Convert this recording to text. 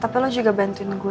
tapi lo juga bantuin gue